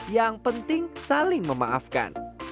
yang penting saling memaafkan